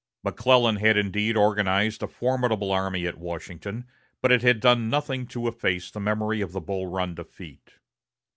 McClellan had indeed organized a formidable army at Washington, but it had done nothing to efface the memory of the Bull Run defeat.